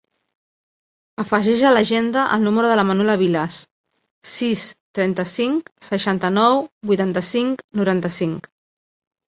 Afegeix a l'agenda el número de la Manuela Vilas: sis, trenta-cinc, seixanta-nou, vuitanta-cinc, noranta-cinc.